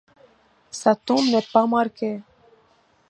Sa tombe n'est pas marquée.